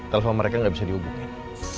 telepon mereka gak bisa dihubungin